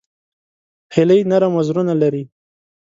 هیلۍ نرم وزرونه لري